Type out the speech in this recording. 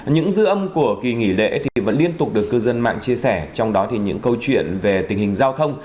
những dư âm của kỳ nghỉ lễ thì vẫn liên tục được cư dân mạng chia sẻ trong đó thì những câu chuyện về tình hình giao thông